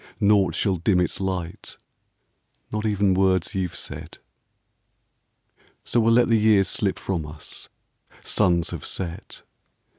Naught shall dim its light, not even Words you 've said. So we '11 let the years slip from us, — Suns have set.